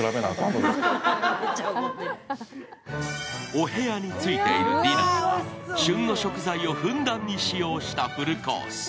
お部屋についているディナーは旬の食材をふんだんに使用したフルコース。